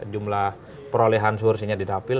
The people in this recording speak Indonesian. jumlah perolehan suarsinya tidak terlampau